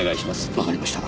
わかりました。